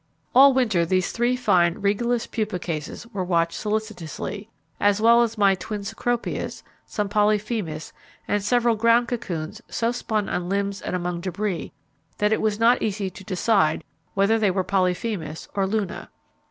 All winter these three fine Regalis pupa cases were watched solicitously, as well as my twin Cecropias, some Polyphemus, and several ground cocoons so spun on limbs and among debris that it was not easy to decide whether they were Polyphemus or Luna.